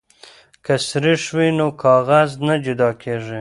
که سريښ وي نو کاغذ نه جدا کیږي.